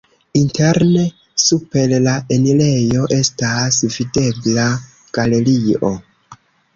Interne super la enirejo estas videbla galerio.